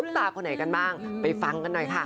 เพราะว่ามีศิลปินดังมาร่วมร้องเพลงรักกับหนูโตหลายคนเลยค่ะ